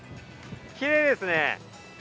きれいですね。